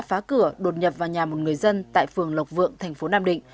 phá cửa đột nhập vào nhà một người dân tại phường lộc vượng thành phố nam định